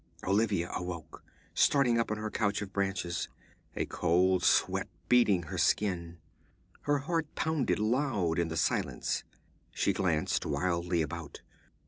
Olivia awoke, starting up on her couch of branches, a cold sweat beading her skin. Her heart pounded loud in the silence. She glanced wildly about.